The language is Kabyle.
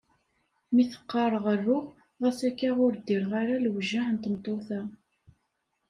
Mi t-qqareɣ ruɣ ɣas akka ur d-ddireɣ ara lewjeɛ n tmeṭṭut-a.